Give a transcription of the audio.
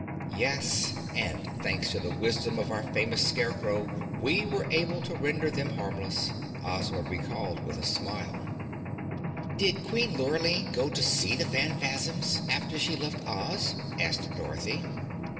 "Yes, and thanks to the wisdom of our famous Scarecrow, we were able to render them harmless," Ozma recalled with a smile. "Did Queen Lurline go to see the Phanfasms after she left Oz?" asked Dorothy.